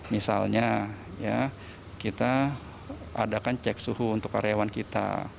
misalnya kita adakan cek suhu untuk karyawan kita